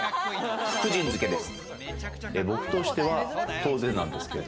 福神漬けです。